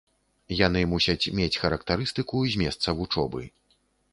Яны мусяць мець характарыстыку з месца вучобы.